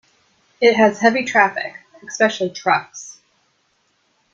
It has heavy traffic, especially trucks.